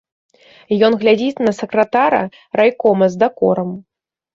Ён глядзіць на сакратара райкома з дакорам.